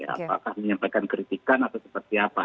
apakah menyampaikan kritikan atau seperti apa